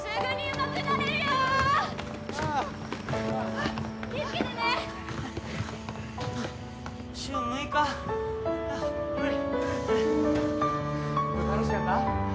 今日楽しかった？